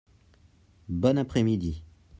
Bon après-midi.